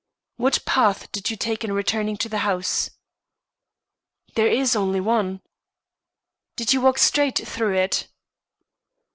"What path did you take in returning to the house?" "There is only one." "Did you walk straight through it?"